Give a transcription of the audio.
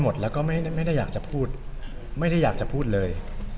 หมดแล้วก็ไม่ได้อยากจะพูดไม่ได้อยากจะพูดเลย